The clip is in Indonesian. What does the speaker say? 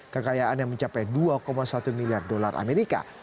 kekayaan yang mencapai dua satu miliar dolar amerika